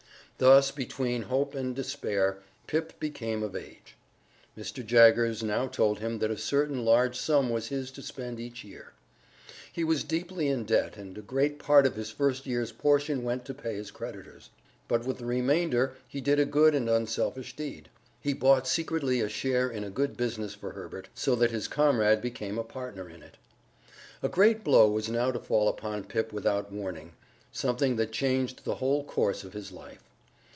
Thus, between hope and despair, Pip became of age. Mr. Jaggers now told him that a certain large sum was his to spend each year. He was deeply in debt and a great part of his first year's portion went to pay his creditors. But with the remainder he did a good and unselfish deed: he bought secretly a share in a good business for Herbert, so that his comrade became a partner in it. A great blow was now to fall upon Pip without warning something that changed the whole course of his life.